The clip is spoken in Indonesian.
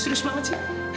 serius banget sih